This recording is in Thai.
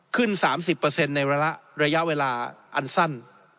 ขึ้น๓๐ในระยะเวลาอันสั้น